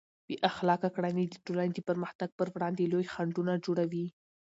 بې اخلاقه کړنې د ټولنې د پرمختګ پر وړاندې لوی خنډونه جوړوي.